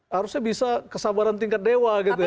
harusnya bisa kesabaran tingkat dewa gitu ya